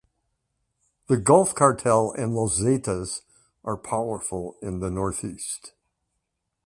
The Gulf Cartel and Los Zetas are powerful in the northeast.